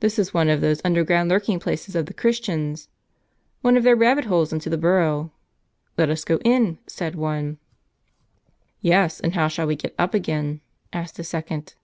"This is one of those underground lurking places of the Christians." " One of their rabbit holes into the burrow." "Let us go in," said one. "Yes, and how shall we get up again?" asked a second.